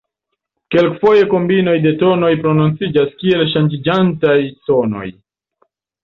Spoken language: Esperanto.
Kelkfoje kombinoj de tonoj prononciĝas kiel ŝanĝiĝantaj tonoj.